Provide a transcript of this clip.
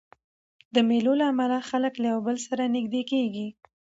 د مېلو له امله خلک له یو بل سره نږدې کېږي.